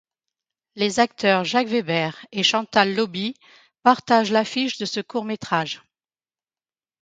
Les acteurs Jacques Weber et Chantal Lauby partagent l’affiche de ce court-métrage.